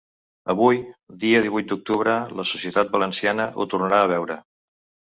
Avui, dia divuit d’octubre, la societat valenciana ho tornarà a veure.